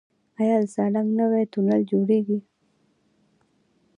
آیا د سالنګ نوی تونل جوړیږي؟